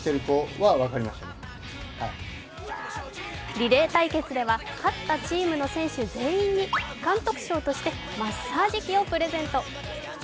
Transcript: リレー対決では勝ったチームの選手全員に監督賞としてマッサージ機をプレゼント。